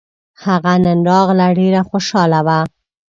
هغه نن راغله ډېره خوشحاله وه